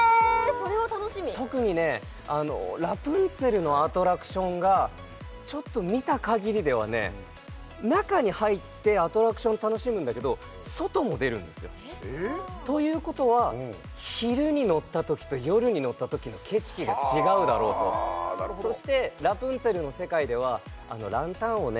それは楽しみ特にねラプンツェルのアトラクションがちょっと見たかぎりではね中に入ってアトラクションを楽しむんだけど外も出るんですよえっ？ということは昼に乗った時と夜に乗った時の景色が違うだろうとああなるほどそしてラプンツェルの世界ではあのランタンをね